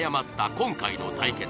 今回の対決